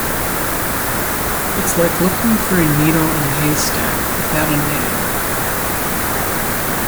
It's like looking for a needle in a haystack without a nail.